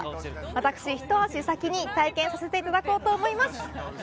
私、ひと足先に体験させていただこうと思います。